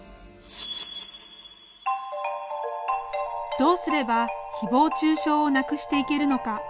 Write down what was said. どうすればひぼう中傷をなくしていけるのか。